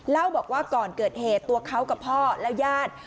เล่าบอกว่าก่อนเกิดเหตุตัวเขากับพ่อและญาติ